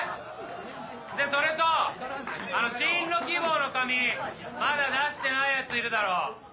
でそれと進路希望の紙まだ出してないヤツいるだろ。